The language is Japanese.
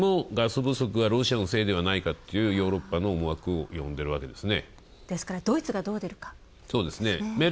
こうした政治情勢もガス不足がロシアのせいではないかっていうヨーロッパの思惑をよんでるわけですね。